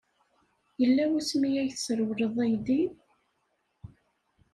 Yella wasmi ay tesrewleḍ aydi?